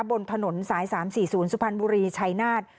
บนถนนสายสามสี่ศูนย์สุพรรณบุรีไชนาศ